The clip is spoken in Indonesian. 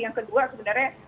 yang kedua sebenarnya